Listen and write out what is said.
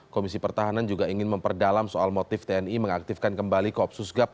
komisi pertahanan juga ingin memperdalam soal motif tni mengaktifkan kembali koopsus gap